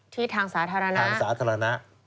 ที่ทางสาธารณะ